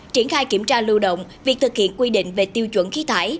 triển khai kiểm tra lưu động việc thực hiện quy định về tiêu chuẩn khí thải